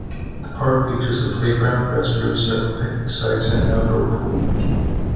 The park features a playground, restrooms, several picnic sites and an outdoor pool.